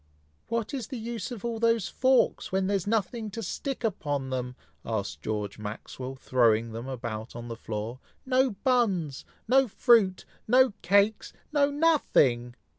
"What is the use of all those forks, when there is nothing to stick upon them?" asked George Maxwell, throwing them about on the floor. "No buns! no fruit! no cakes! no nothing!"